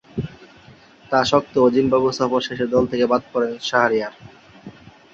তা স্বত্ত্বেও জিম্বাবুয়ে সফর শেষে দল থেকে বাদ পড়েন শাহরিয়ার।